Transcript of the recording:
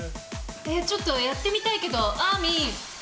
ちょっとやってみたいけど、あーみん。